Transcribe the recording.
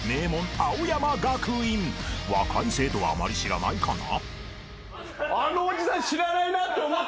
［若い生徒はあまり知らないかな？］